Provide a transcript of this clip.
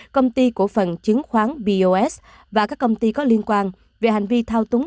công ty cổ phần chứng khoán bos và các công ty có liên quan về hành vi thao túng